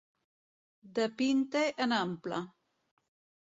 De pinte en ample.